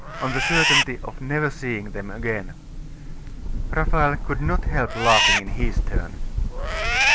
on the certainty of never seeing them again.' Raphael could not help laughing in his turn.